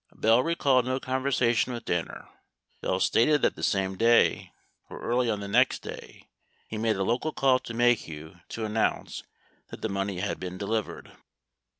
Bell recalled no conversation with Danner. Bell stated that the same day, or early on the next day, he made a local call to Maheu to announce that the money had been delivered.